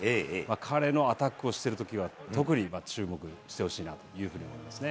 彼のアタックをしてるときは特に注目してほしいなと思いますね。